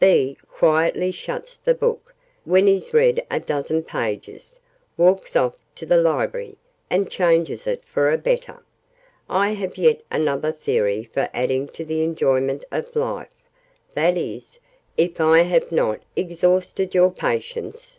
B quietly shuts the book, when he's read a dozen pages, walks off to the Library, and changes it for a better! I have yet another theory for adding to the enjoyment of Life that is, if I have not exhausted your patience?